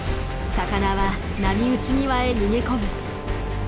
魚は波打ち際へ逃げ込む。